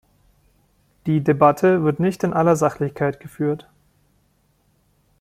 Die Debatte wird nicht in aller Sachlichkeit geführt.